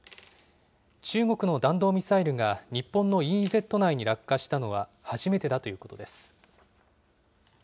中国の弾道ミサイルが日本のＥＥＺ内に落下したのは初めてだということです。